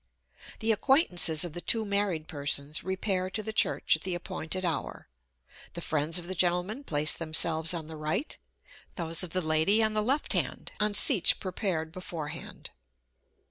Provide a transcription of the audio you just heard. The acquaintances of the two married persons, repair to the church at the appointed hour; the friends of the gentleman place themselves on the right, those of the lady on the left hand, on seats prepared beforehand.